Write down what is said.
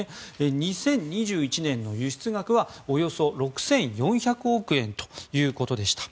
２０２１年の輸出額はおよそ６４００億円ということでした。